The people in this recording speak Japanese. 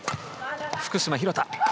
福島廣田。